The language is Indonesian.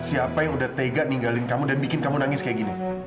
siapa yang udah tega ninggalin kamu dan bikin kamu nangis kayak gini